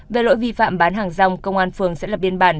về lỗi vi phạm bán hàng rong công an phường sẽ lập biên bản